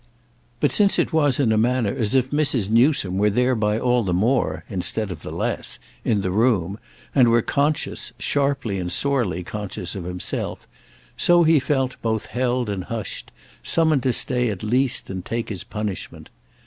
But since it was in a manner as if Mrs. Newsome were thereby all the more, instead of the less, in the room, and were conscious, sharply and sorely conscious, of himself, so he felt both held and hushed, summoned to stay at least and take his punishment.